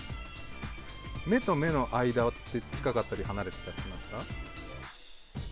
目と目の間って近かったり離れてたりしますか？